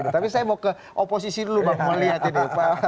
tapi saya mau ke oposisi dulu bang mau lihat ini